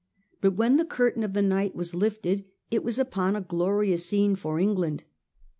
But when the curtain of the night waa lifted it was upon a glorious scene for England.